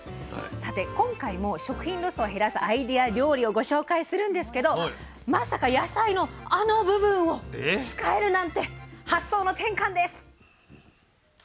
さて今回も食品ロスを減らすアイデア料理をご紹介するんですけどまさか野菜のあの部分を使えるなんて発想の転換です。